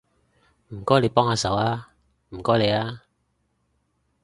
唔該你幫下手吖，唔該你吖